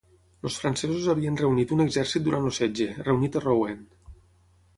Els francesos havien reunit un exèrcit durant el setge, reunit a Rouen.